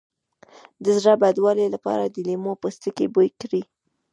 د زړه بدوالي لپاره د لیمو پوستکی بوی کړئ